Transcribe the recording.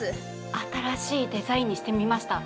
新しいデザインにしてみました。